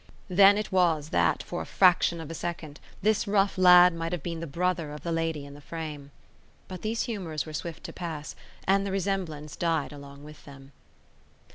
Then it was that, for a fraction of a second, this rough lad might have been the brother of the lady in the frame. But these humours were swift to pass; and the resemblance died along with them.